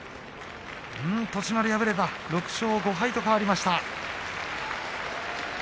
栃丸、敗れました６勝５敗と変わりました。